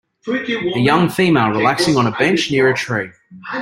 A young female relaxing on a bench near a tree.